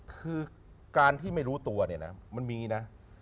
คือการที่ไม่รู้ตัวมันมีนะ